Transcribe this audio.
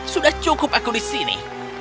sudah cukup aku di sini